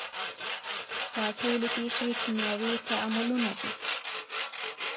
دا ټولې پیښې کیمیاوي تعاملونه دي.